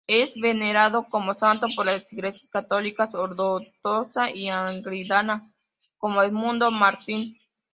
Es venerado como santo por las iglesias católica, ortodoxa y anglicana, como Edmundo Mártir.